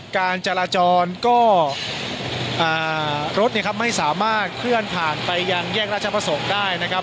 การจราจรก็รถเนี่ยครับไม่สามารถเคลื่อนผ่านไปยังแยกราชประสงค์ได้นะครับ